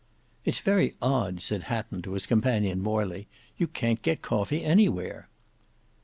"It's very odd," said Hatton to his companion Morley, "you can't get coffee anywhere."